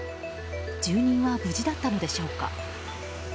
住人は無事だったのでしょうか。